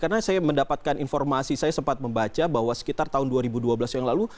karena saya mendapatkan informasi saya sempat membaca bahwa sekitar tahun dua ribu dua belas yang lalu